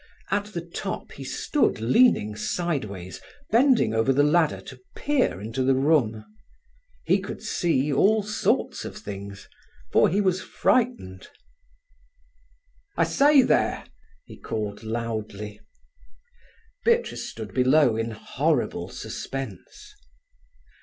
At the top he stood leaning sideways, bending over the ladder to peer into the room. He could see all sorts of things, for he was frightened. "I say there!" he called loudly. Beatrice stood below in horrible suspense.